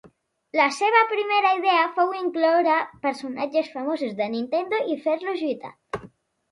La seva primera idea fou d'incloure personatges famosos de Nintendo i fer-los lluitar.